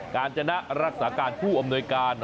การจนะรักษาการผู้อำนวยการ